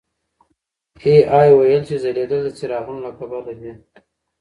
اې ای وویل چې ځلېدل د څراغونو له کبله دي.